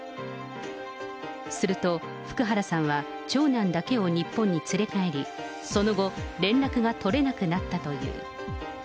すると、福原さんは長男だけを日本に連れ帰り、その後、連絡が取れなくなったという。